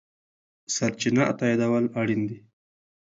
سرچینه تاییدول اړین دي.